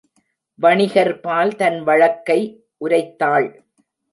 வணிகர்பால் தன் வழக்கை உரைத்தாள்.